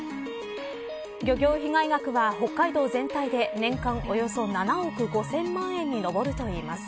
漁業被害額は北海道全体で年間およそ７億５０００万円に上るといいます。